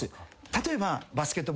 例えば。